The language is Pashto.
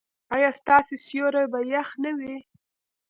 ایا ستاسو سیوري به يخ نه وي؟